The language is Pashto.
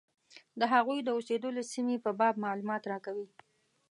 د هغوی د اوسېدلو سیمې په باب معلومات راکوي.